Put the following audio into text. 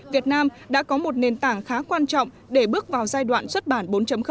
việt nam đã có một nền tảng khá quan trọng để bước vào giai đoạn xuất bản bốn